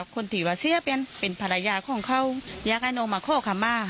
คนที่ว่าเสี้ยเป็นเป็นภรรยาเขาของเขาอย่างนั่งมาออกมา